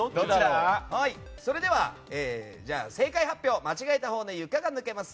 それでは正解発表間違えたほうの床が抜けます。